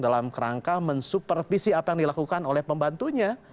dalam kerangka mensupervisi apa yang dilakukan oleh pembantunya